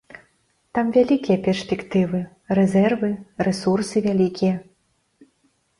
Там вялікія перспектывы, рэзервы, рэсурсы вялікія.